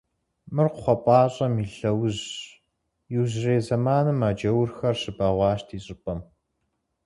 — Мыр кхъуэпӀащэм и лъэужьщ, иужьрей зэманым а джаурхэр щыбэгъуащ ди щӀыпӀэм.